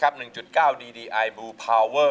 กับเพลงที่๑ของเรา